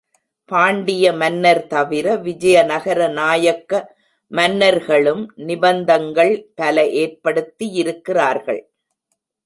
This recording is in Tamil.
பாண்டிய மன்னர் தவிர விஜயநகர நாயக்க மன்னர்களும் நிபந்தங்கள் பல ஏற்படுத்தியிருக் கிறார்கள்.